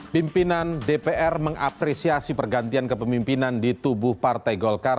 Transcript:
pimpinan dpr mengapresiasi pergantian kepemimpinan di tubuh partai golkar